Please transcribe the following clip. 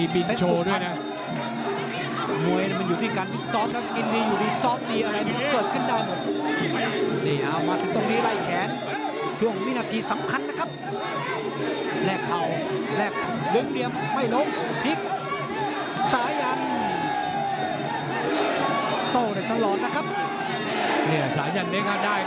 พยายามตั้งอ๋อเร่งแล้วตีบินแล้วตีเหมือนกันนะครับ